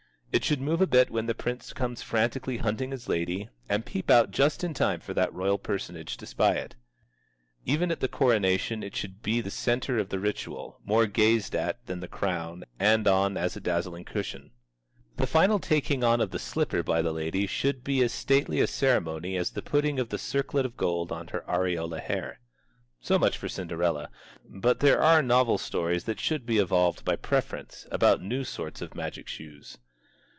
It should move a bit when the prince comes frantically hunting his lady, and peep out just in time for that royal personage to spy it. Even at the coronation it should be the centre of the ritual, more gazed at than the crown, and on as dazzling a cushion. The final taking on of the slipper by the lady should be as stately a ceremony as the putting of the circlet of gold on her aureole hair. So much for Cinderella. But there are novel stories that should be evolved by preference, about new sorts of magic shoes.